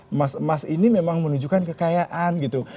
emas emas ini memang menunjukkan kekayaan gitu